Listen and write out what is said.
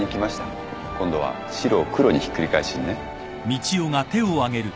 今度は白を黒にひっくり返しにね。